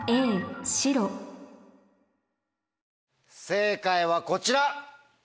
正解はこちら。